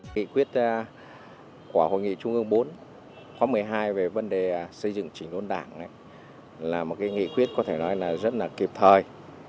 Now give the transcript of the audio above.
nghị quyết của hội nghị trung ương bốn khóa một mươi hai về vấn đề xây dựng chỉnh đốn đảng là một nghị quyết có thể nói là rất là kịp thời